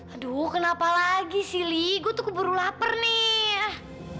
aduh kenapa lagi sih li gue tuh keburu lapar nih